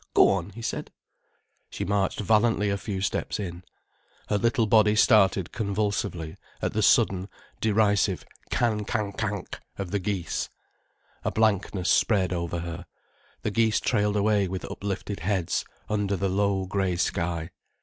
"Go on," he said. She marched valiantly a few steps in. Her little body started convulsively at the sudden, derisive can cank ank of the geese. A blankness spread over her. The geese trailed away with uplifted heads under the low grey sky.